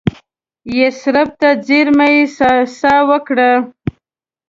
یثرب ته څېرمه یې ساه ورکړه.